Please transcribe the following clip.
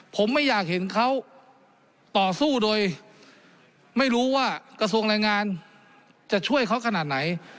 ผมไม่อยากเห็นเขาต่อสู้โดยไม่รู้ว่ากระทรวงแรงงานจะช่วยเขาขนาดไหน